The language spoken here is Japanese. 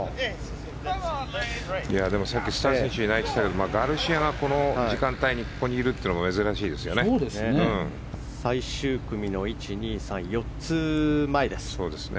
さっき、スター選手がいないと言ったけどガルシアが、この時間帯にここにいるというのも最終組の４つ前です。